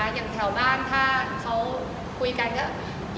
อย่างแถวบ้านถ้าเขาคุยกันก็